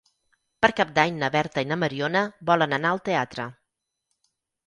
Per Cap d'Any na Berta i na Mariona volen anar al teatre.